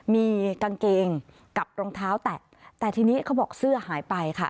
มีกางเกงกับรองเท้าแตะแต่ทีนี้เขาบอกเสื้อหายไปค่ะ